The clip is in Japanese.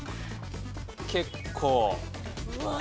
結構。